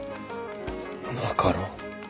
なかろう。